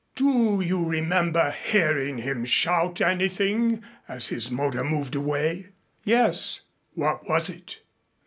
"Do you remember hearing him shout anything as his motor moved away?" "Yes." "What was it?"